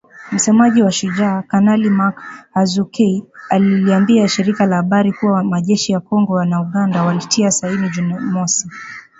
Msemaji wa Shujaa, Kanali Mak Hazukay aliliambia shirika la habari kuwa majeshi ya Kongo na Uganda walitia saini Juni mosi.